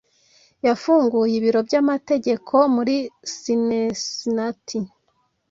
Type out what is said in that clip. Yafunguye ibiro by'amategeko muri Cincinnati.